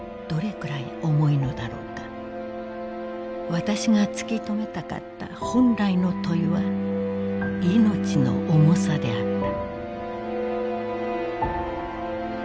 「わたしが突きとめたかった本来の問はいのちの重さであった」。